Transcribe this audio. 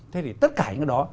thế thì tất cả những cái đó